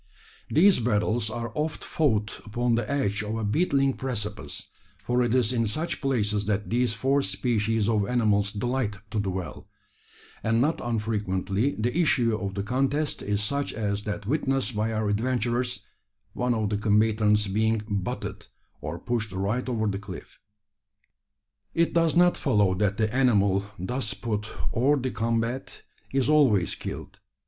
These battles are often fought upon the edge of a beetling precipice for it is in such places that these four species of animals delight to dwell and not unfrequently the issue of the contest is such as that witnessed by our adventurers one of the combatants being "butted" or pushed right over the cliff. It does not follow that the animal thus put hors de combat is always killed.